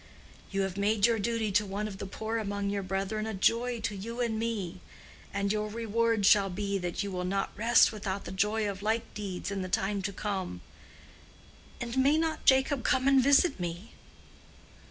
You have made your duty to one of the poor among your brethren a joy to you and me; and your reward shall be that you will not rest without the joy of like deeds in the time to come. And may not Jacob come and visit me?"